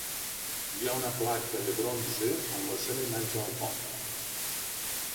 Hi ha una placa de bronze amb la seva imatge al pont.